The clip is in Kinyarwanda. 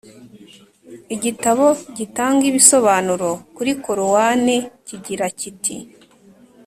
igitabo gitanga ibisobanuro kuri korowani kigira kiti